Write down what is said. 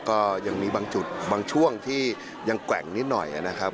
ก็ยังมีบางจุดบางช่วงที่ยังแกว่งนิดหน่อยนะครับ